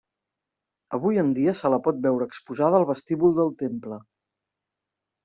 Avui en dia se la pot veure exposada al vestíbul del temple.